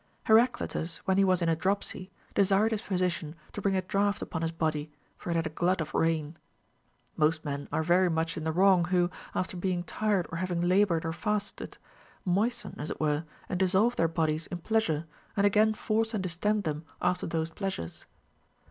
Heraclitus, Avhen he was in a dropsy, desired his physician to bring a drought upon his body, for it had a glut of rain. Most men are very much in the wrong who, after being tired or having labored or fasted, moisten (as it were) and dissolve their bodies in pleasure, and again force and distend them RULES FOR THE PRESERVATION OF HEALTH. 277 after those pleasures.